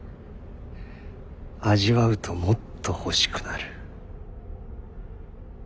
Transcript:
味わうともっと欲しくなる。